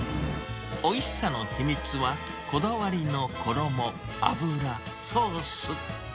おいしさの秘密は、こだわりの衣、油、ソース。